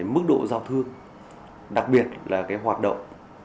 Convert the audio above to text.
mức độ giao thương đặc biệt là hoạt động